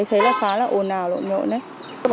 thế là khá là ồn ào lộn nhộn ấy